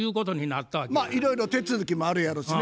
まあいろいろ手続きもあるやろうしね。